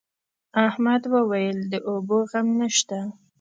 احمد وويل: د اوبو غم نشته.